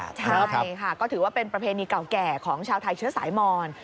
ใช่ค่ะก็ถือว่าเป็นประเพณีเก่าแก่ของชาวไทยเชื้อสายมอน